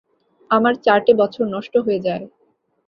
আমার চারটে বছর নষ্ট হয়ে যায়।